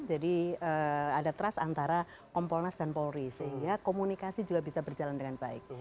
jadi ada trust antara komponens dan polri sehingga komunikasi juga bisa berjalan dengan baik